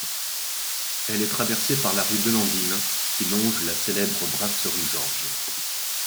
Elle est traversée par la rue Delandine qui longe la célèbre Brasserie Georges.